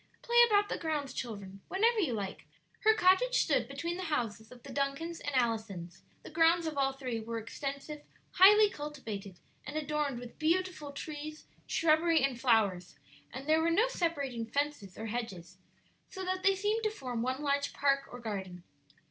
"Play about the grounds, children, whenever you like." Her cottage stood between the houses of the Duncans and Allisons; the grounds of all three were extensive, highly cultivated, and adorned with beautiful trees, shrubbery, and flowers, and there were no separating fences or hedges, so that they seemed to form one large park or garden.